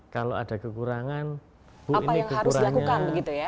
kalau ada kekurangan bu ini kekurangan